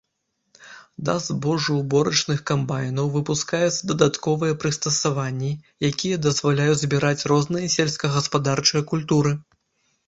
Да збожжаўборачных камбайнаў выпускаюцца дадатковыя прыстасаванні, якія дазваляюць збіраць розныя сельскагаспадарчыя культуры.